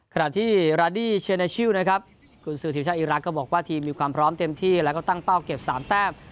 ขณะที่ราดี้เชเนชิลนะครับคุณซื้อทีมชาติอีรักษ์ก็บอกว่าทีมมีความพร้อมเต็มที่แล้วก็ตั้งเป้าเก็บ๓แต้ม